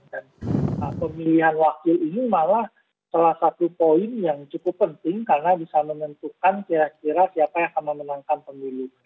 dan pemilihan wakil ini malah salah satu poin yang cukup penting karena bisa menentukan kira kira siapa yang akan memenangkan pemilu